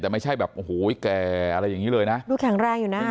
แต่ไม่ใช่แบบโอ้โหแก่อะไรอย่างนี้เลยนะดูแข็งแรงอยู่นะ